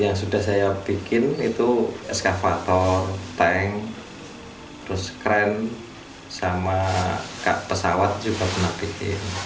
yang sudah saya buat adalah eskavator tank kran dan pesawat juga pernah saya buat